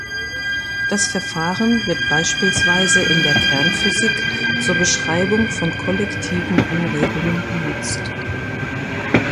Das Verfahren wird beispielsweise in der Kernphysik zur Beschreibung von kollektiven Anregungen benutzt.